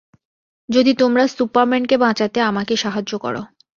যদি তোমরা সুপারম্যানকে বাঁচাতে আমাকে সাহায্য করো।